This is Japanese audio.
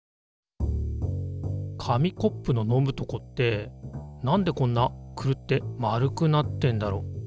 紙コップの飲むとこって何でこんなクルって丸くなってんだろう。